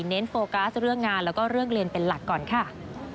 โฟกัสเรื่องงานแล้วก็เรื่องเรียนเป็นหลักก่อนค่ะ